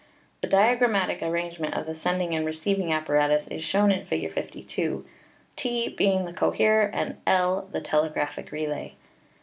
The dia grammatic arrangement of the sending and receiving ap paratus is shown in Fig. 52, T being the coherer and L the telegraphic relay.